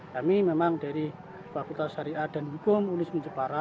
kami memang dari fakultas syariah dan hukum ulis jepara